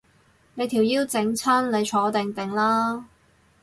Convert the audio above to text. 你條腰整親，你坐定定啦